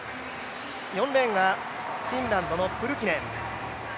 ４レーンがフィンランドのプルキネン。